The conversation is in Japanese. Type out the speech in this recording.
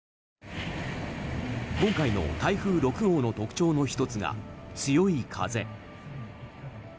今回の台風６号の特徴の１つが強い風。